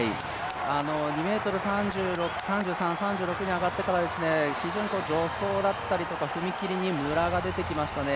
２ｍ３３、３６に上がってから非常に助走だったりとか踏み切りにムラが出てきましたね。